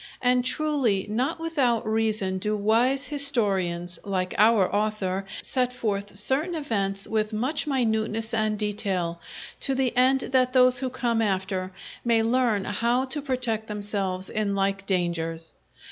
And, truly, not without reason do wise historians, like our author, set forth certain events with much minuteness and detail, to the end that those who come after may learn how to protect themselves in like dangers.